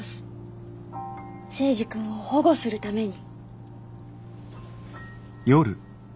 征二君を保護するために。